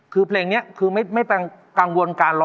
คือเพลงเนี่ยไม่เป็นกังวล